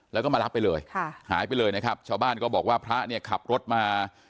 แล้วก็มารับไปเลยค่ะหายไปเลยนะครับชาวบ้านก็บอกว่าพระเนี่ยขับรถมา